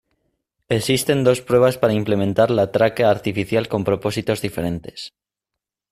Existen dos pruebas para implementar la tráquea artificial con propósitos diferentes.